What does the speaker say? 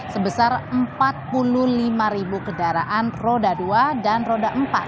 sebesar empat puluh lima ribu kendaraan roda dua dan roda empat